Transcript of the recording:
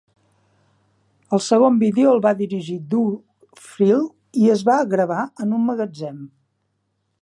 El segon vídeo el va dirigir Doug Freel i es va gravar en un magatzem.